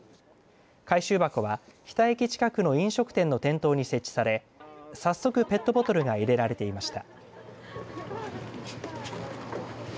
回収箱は日田駅近くの飲食店の店頭に設置され早速、ペットボトルが入れられていました。